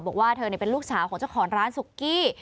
บอกว่าเธอเป็นลูกสาวของเจ้าของร้านสุกี้